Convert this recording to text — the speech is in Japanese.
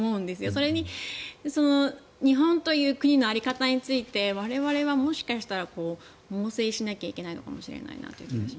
それに日本という国の在り方について我々はもしかしたら猛省しないといけないのかもしれないなと思います。